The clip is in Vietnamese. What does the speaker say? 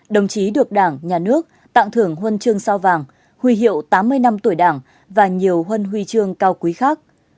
đồng chí được đảng nhà nước tặng thưởng huân chương sao vàng huy hiệu tám mươi năm tuổi đảng và nhiều huân huy chương cao quý khác